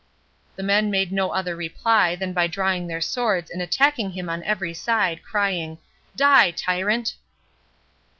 —The men made no other reply than by drawing their swords and attacking him on every side, crying, "Die, tyrant!"